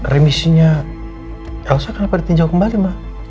remisinya elsa kenapa ditinggalkan kembali ma